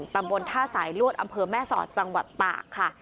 ตำบลท่าสายลวดอำเภอแม่สอดจังหวัดตากค่ะ